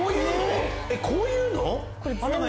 えっこういうの⁉